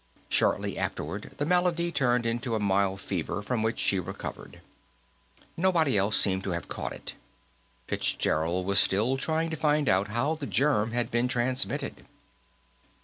Shortly afterward, the malady turned into a mild fever, from which she recovered. Nobody else seemed to have caught it. Fitzgerald was still trying to find out how the germ had been transmitted.